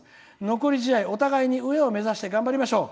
残り試合、お互いに上を目指して頑張りましょう」。